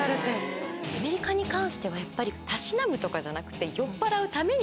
アメリカに関してはたしなむとかじゃなくて。